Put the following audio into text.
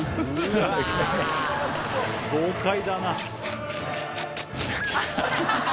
豪快だな。